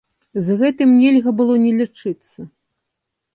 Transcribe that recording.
З гэтым нельга было не лічыцца.